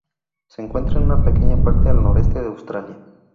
Se encuentra en una pequeña parte, al noroeste de Australia.